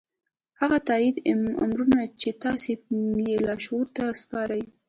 هغه تايیدي امرونه چې تاسې یې لاشعور ته سپارئ